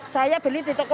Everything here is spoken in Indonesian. saya beli di toko